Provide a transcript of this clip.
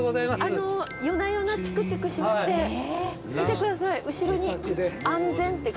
夜な夜なチクチクしまして見てください後ろに「あんぜん」って。